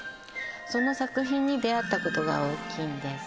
その作品に出会ったことが大きいんです